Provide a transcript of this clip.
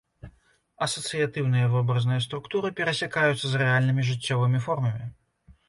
Асацыятыўныя вобразныя структуры перасякаюцца з рэальнымі жыццёвымі формамі.